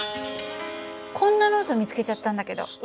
こんなノート見つけちゃったんだけど。